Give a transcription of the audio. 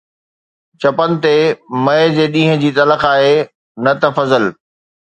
چپن تي مئي جي ڏينهن جي تلخ آهي، نه ته فضل